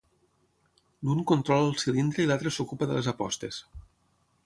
L'un controla el cilindre i l'altre s'ocupa de les apostes.